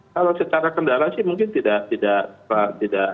kalau secara kendala sih mungkin tidak tidak tidak tidak